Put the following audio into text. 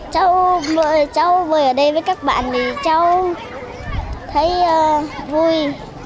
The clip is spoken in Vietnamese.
cháu bơi ở đây với các bạn thì cháu thấy vui